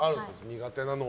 苦手なのは。